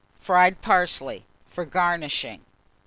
FRIED PARSLEY, for Garnishing.